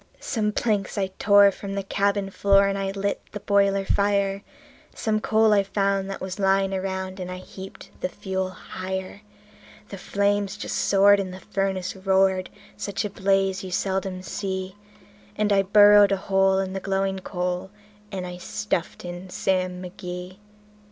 Some planks I tore from the cabin floor, and I lit the boiler fire; Some coal I found that was lying around, and I heaped the fuel higher; The flames just soared, and the furnace roared such a blaze you seldom see; And I burrowed a hole in the glowing coal, and I stuffed in Sam McGee.